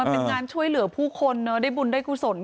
เป็นงานช่วยเหลือผู้คนได้บุญได้กุศล